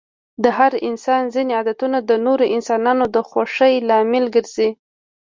د هر انسان ځيني عادتونه د نورو انسانانو د خوښی لامل ګرځي.